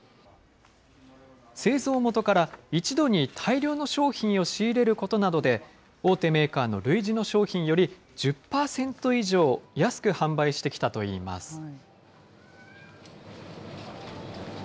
製造元から一度に大量の商品を仕入れることなどで、大手メーカーの類似の商品より１０％以上安く販売してきたといいます。